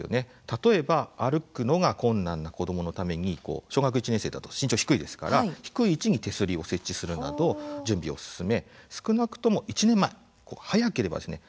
例えば、歩くのが困難な子どものために小学１年生だと身長低いですから低い位置に手すりを設置するなど準備を進め、少なくとも１年前早ければですね